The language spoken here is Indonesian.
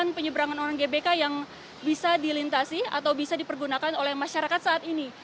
dan juga penyeberangan orang gbk yang bisa dilintasi atau bisa dipergunakan oleh masyarakat saat ini